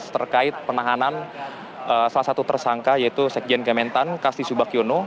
terkait penahanan salah satu tersangka yaitu sekjen kementan kasti subakyono